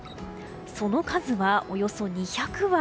その数はおよそ２００羽。